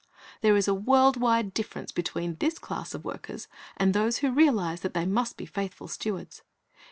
There is a world wide difference between this class of workers and those who realize that they must be faithful .stewards.